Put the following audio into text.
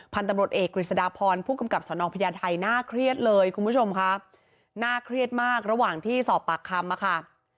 พันธุ์ตำรวจเอกกฤษฎาพรผู้กำกับสนพญาไทยน่าเครียดเลยคุณผู้ชมค่ะน่าเครียดมากระหว่างที่สอบปากคำมาค่ะ